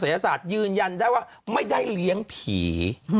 มากแล้วนะจะคลอดไปอย่างไร